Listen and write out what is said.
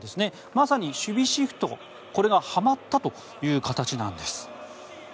まさに守備シフト、これがはまったという形なんです。